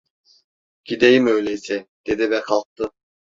"Gideyim öyleyse!" dedi ve kalktı.